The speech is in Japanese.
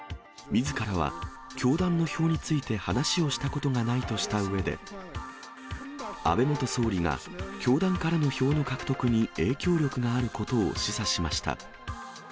みずからは教団の票について話をしたことがないとしたうえで、安倍元総理が教団からの票の獲得に影響力があることを示唆しました。